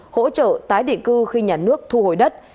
hỗ trợ tái định cư khi nhà nước thu hồi đất